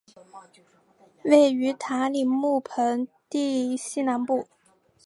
位于塔里木盆地西南部。